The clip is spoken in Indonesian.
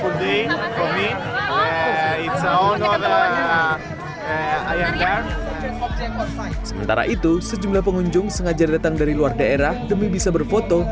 pudingkan sementara itu sejumlah pengunjung sengaja datang dari luar daerah demi bisa berfoto